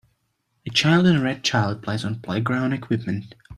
A child in a red child plays on playground equipment.